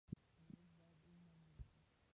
ارزښت باید ولمانځل شي.